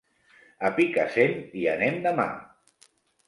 A Picassent hi anem demà.